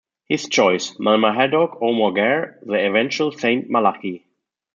His choice: Maelmhaedhoc O'Morgair, the eventual Saint Malachy.